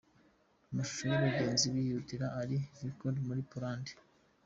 Amashusho y’abagenzi bihitira ari i Wroclaw muri Poland.